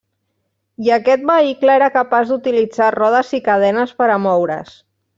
I aquest vehicle era capaç d'utilitzar rodes i cadenes per a moure's.